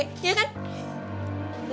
menurut kamu gimana harika